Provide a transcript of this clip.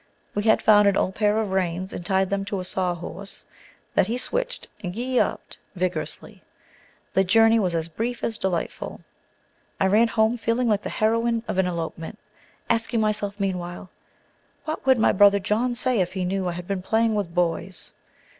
He had found an old pair of reins and tied them to a saw horse, that he switched and "Gee up" ed vigorously. The journey was as brief as delightful. I ran home feeling like the heroine of an elopement, asking myself meanwhile, "What would my brother John say if he knew I had been playing with boys?"